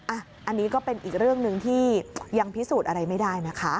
อันนี้ก็เป็นอีกเรื่องหนึ่งที่ยังพิสูจน์อะไรไม่ได้นะคะ